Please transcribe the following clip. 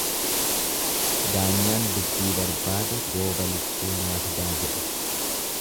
Daanyaan dubbii barbaade gooba lukkuu naa fidaa jedha.